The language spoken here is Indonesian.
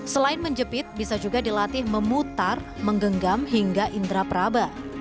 selain menjepit bisa juga dilatih memutar menggenggam hingga indera praba